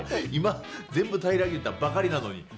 今、全部平らげたばかりなのに。